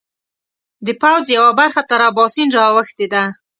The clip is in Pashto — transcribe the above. د پوځ یوه برخه تر اباسین را اوښتې ده.